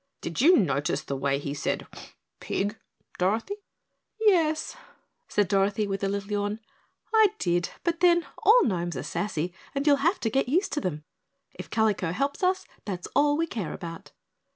"Did you notice the way he said 'pig,' Dorothy?" "Yes," said Dorothy with a little yawn, "I did, but then all gnomes are sassy and you'll have to get used to them. If Kalico helps us, that's all we care about."